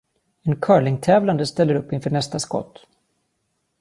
En curlingtävlande ställer upp inför nästa skott.